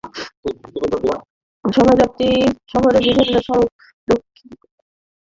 শোভাযাত্রাটি শহরের বিভিন্ন সড়ক প্রদক্ষিণ করে আবার সেখানে গিয়ে শেষ হয়।